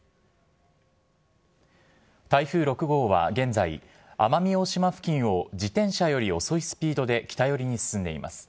台風６号は現在、奄美大島付近を自転車より遅いスピードで北寄りに進んでいます。